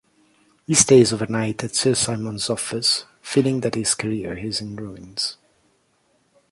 He stays overnight at Sir Simon's office, feeling that his career is in ruins.